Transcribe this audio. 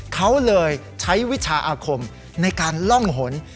เขาเลยใช้วิชาอาคมในการล่องหน